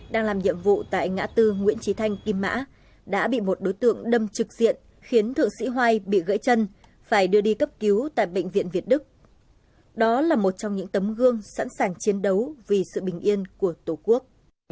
đó là một trong những tấm gương sẵn sàng chiến đấu vì sự bình yên của tổ quốc